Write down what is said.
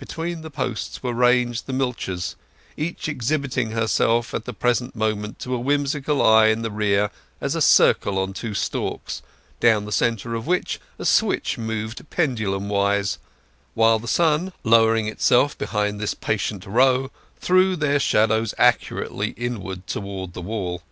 Between the post were ranged the milchers, each exhibiting herself at the present moment to a whimsical eye in the rear as a circle on two stalks, down the centre of which a switch moved pendulum wise; while the sun, lowering itself behind this patient row, threw their shadows accurately inwards upon the wall.